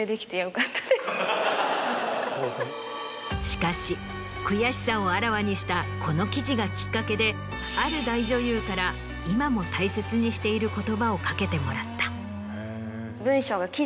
しかし悔しさをあらわにしたこの記事がきっかけである大女優から今も大切にしている言葉を掛けてもらった。